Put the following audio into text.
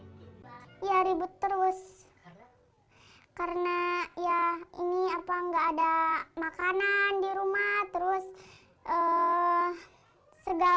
a dan suaminya pun tidak bisa berada di rumah